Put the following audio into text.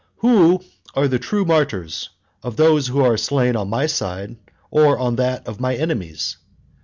"Who are the true martyrs, of those who are slain on my side, or on that of my enemies?"